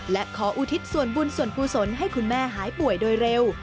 และขออุทิศส่วนบุญส่วนกุศลให้คุณแม่หายป่วยโดยเร็ว